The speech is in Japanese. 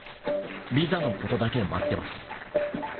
ビザのことだけ待ってます。